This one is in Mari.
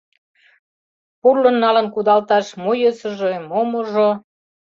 Пурлын налын кудалташ мо йӧсыжӧ, мо-можо.